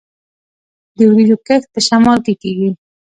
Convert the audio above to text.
د وریجو کښت په شمال کې کیږي.